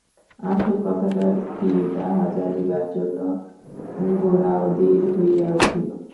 আসল কথাটা কী তাহা জানিবার জন্য গোরা অধীর হইয়া উঠিল।